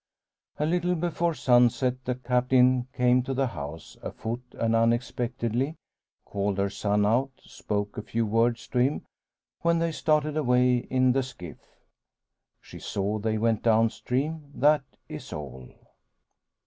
A little before sunset, the Captain came to the house, afoot and unexpectedly; called her son out, spoke a few words to him, when they started away in the skiff. She saw they went down stream that is all.